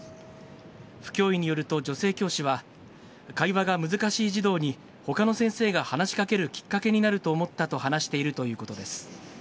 府教委によると、女性教師は、会話が難しい児童に、ほかの先生が話しかけるきっかけになると思ったと話しているということです。